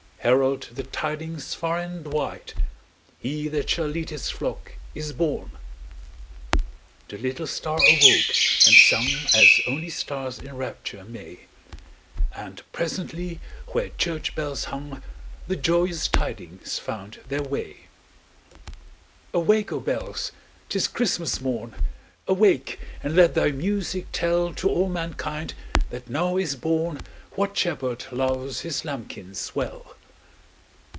Herald the tidings far and wide He that shall lead His flock is born!" The little star awoke and sung As only stars in rapture may, And presently where church bells hung The joyous tidings found their way. [Illustration: Share thou this holy time with me, The universal hymn of love. ] "Awake, O bells! 't is Christmas morn Awake and let thy music tell To all mankind that now is born What Shepherd loves His lambkins well!"